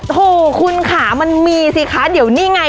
โหคุณค่ะมันมีสิคะเดี๋ยวนี่ไง